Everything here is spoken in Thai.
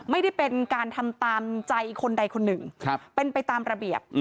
ไม่ได้เป็นการทำตามใจคนใดคนหนึ่งเป็นไปตามระเบียบ